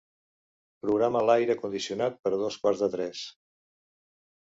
Programa l'aire condicionat per a dos quarts de tres.